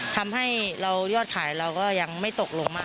ทำให้เรายอดขายเราก็ยังไม่ตกลงมาก